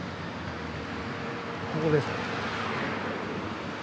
ここですか？